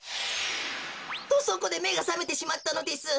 とそこでめがさめてしまったのです。